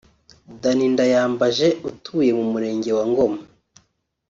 Danny Ndayambaje utuye mu murenge wa Ngoma